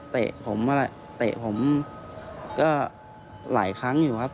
เตะผมนั่นแหละเตะผมก็หลายครั้งอยู่ครับ